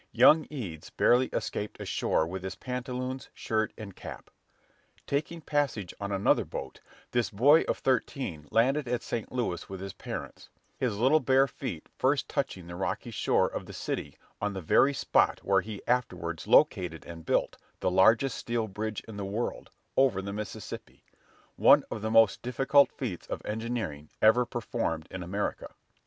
Young Eads barely escaped ashore with his pantaloons, shirt, and cap. Taking passage on another boat, this boy of thirteen landed at St. Louis with his parents; his little bare feet first touching the rocky shore of the city on the very spot where he afterwards located and built the largest steel bridge in the world, over the Mississippi, one of the most difficult feats of engineering ever performed in America.